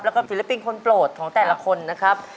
แล้วก็ศิลปินคนโปรดของแต่ละคนนะครับ